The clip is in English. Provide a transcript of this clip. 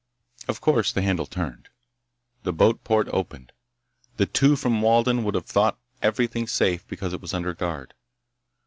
Of course the handle turned. The boat port opened. The two from Walden would have thought everything safe because it was under guard.